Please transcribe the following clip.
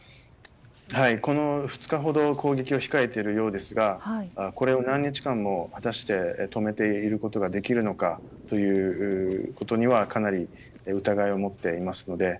この２日ほど攻撃を控えているようですがこれを何日間も果たして止めていることができるのかということにはかなり疑いを持っています。